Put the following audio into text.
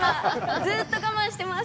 ずうっと我慢してます。